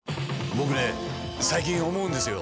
僕ね最近思うんですよ。